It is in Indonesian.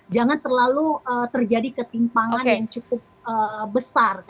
jangan terlalu terjadi ketimpangan yang cukup besar